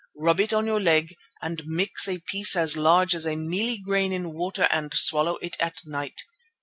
Rub it on your leg, and mix a piece as large as a mealie grain in water and swallow it at night.